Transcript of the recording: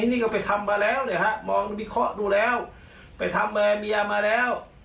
นี่ก็ไปทำมาแล้วเนี่ยฮะมองวิเคราะห์ดูแล้วไปทำอะไรเมียมาแล้ว